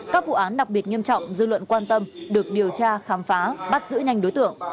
các vụ án đặc biệt nghiêm trọng dư luận quan tâm được điều tra khám phá bắt giữ nhanh đối tượng